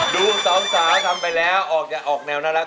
ดูสองสาทำไปแล้วออกจะออกแนวน่ารัก